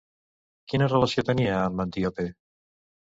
Quina relació tenia amb Antíope?